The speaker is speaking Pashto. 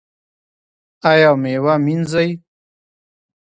ایا میوه مینځئ؟